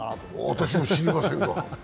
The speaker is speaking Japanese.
私も知りませんが。